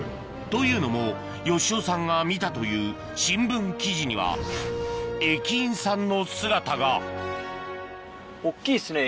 というのも好雄さんが見たという新聞記事には駅員さんの姿が大っきいですね